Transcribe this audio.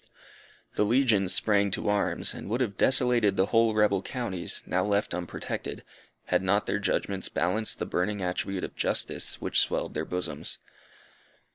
The legion sprang to arms, and would have desolated the whole rebel counties, now left unprotected, had not their judgments balanced the burning attribute of justice which swelled their bosoms.